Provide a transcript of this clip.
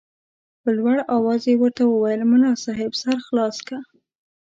په لوړ اواز یې ورته وویل ملا صاحب سر خلاص که.